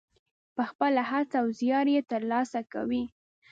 په خپله هڅه او زیار یې ترلاسه کوي.